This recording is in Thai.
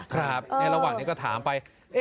ต่างจากนี้ก็ถามไป